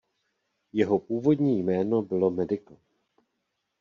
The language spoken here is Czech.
Jeho původní jméno bylo Medical.